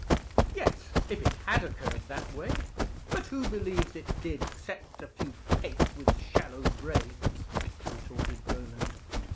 "Yes, if it had occurred that way; but who believes it did, except a few pates with shallow brains?" retorted Roland.